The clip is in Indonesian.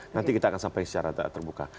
nanti kita akan sampaikan secara terbuka